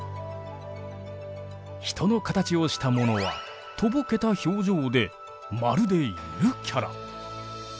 人の形をしたものはとぼけた表情でまるでゆるキャラ。